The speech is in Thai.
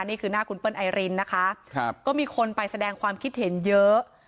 นี่คือหน้าคุณเปิ้ลไอรินนะคะก็มีคนไปแสดงความคิดเห็นเยอะ